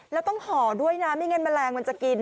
แล้วต้องห่อด้วยนะไม่งั้นแมลงมันจะกิน